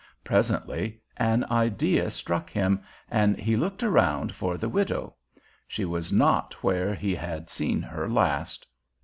Presently an idea struck him, and he looked around for the widow. She was not where he had seen her last.